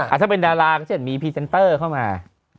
อาจจะเป็นดาราก็จะมีพีเซนเตอร์เข้ามา